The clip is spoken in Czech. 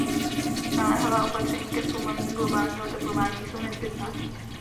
Naléhavá opatření ke zpomalení globálního oteplování jsou nezbytná.